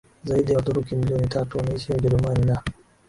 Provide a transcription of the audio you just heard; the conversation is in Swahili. Zaidi ya Waturuki milioni tatu wanaishi Ujerumani na